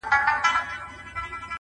• زه هم د هغوی اولاد يم،